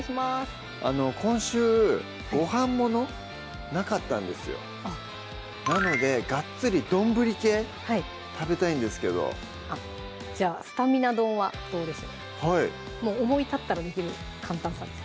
今週ごはんものなかったんですよなのでガッツリどんぶり系食べたいんですけどじゃあ「スタミナ丼」はどうでしょう思い立ったらできる簡単さです